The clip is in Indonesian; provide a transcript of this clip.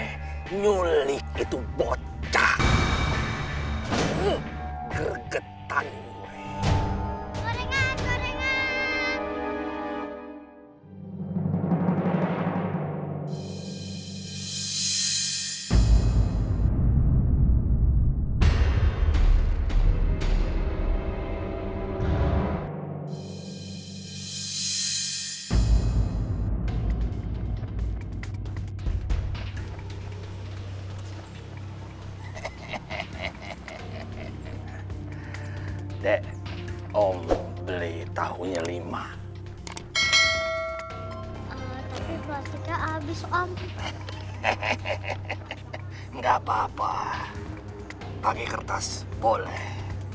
hai hai hai hai hai hai hai hehehe hehehe enggak papa paka pake kertas boleh hehehe hehehe enggak papa pake kertas boleh